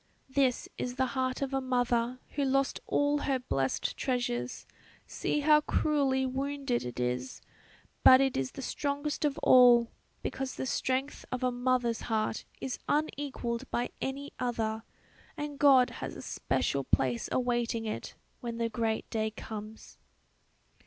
"This is the heart of a mother who lost all her blessed treasures; see how cruelly wounded it is; but it is the strongest of all, because the strength of a mother's heart is unequalled by any other and God has a special place awaiting it when the great Day comes."